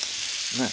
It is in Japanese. ねえ。